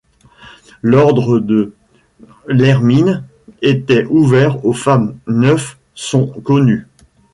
L'Ordre de l'Hermine était ouvert aux femmes, neuf sont connues.